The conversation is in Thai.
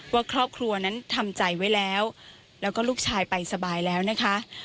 ว่าครอบครัวนั้นทำใจไว้แล้วแล้วก็ลูกชายไปสบายแล้วนะคะ